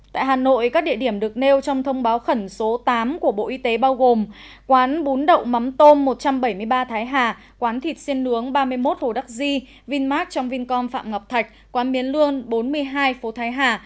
tại hà nội các địa điểm được nêu trong thông báo khẩn số tám của bộ y tế bao gồm quán bún đậu mắm tôm một trăm bảy mươi ba thái hà quán thịt xiê nướng ba mươi một hồ đắc di vinmart trong vincom phạm ngọc thạch quán miến lương bốn mươi hai phố thái hà